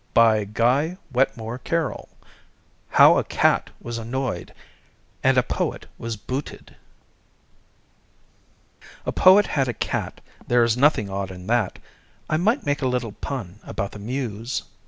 How a Cat Was Annoyed and a Poet Was Booted A poet had a cat. There is nothing odd in that (I might make a little pun about the Mews!)